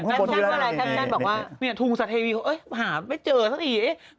แค่แน่นบอกว่าทุ่งสาเทวีหาไม่เจอสักอีก